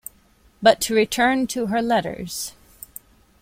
But to return to her letters.